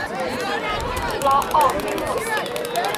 เลาะออกให้หมด